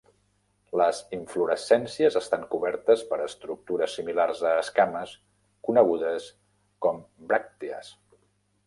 Les inflorescències estan cobertes per estructures similars a escames conegudes com bràctees.